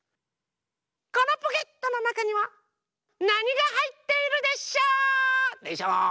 このポケットのなかにはなにがはいっているでショー？でショー？